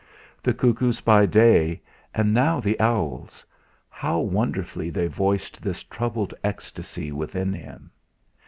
The cuckoos by day, and now the owls how wonderfully they voiced this troubled ecstasy within him!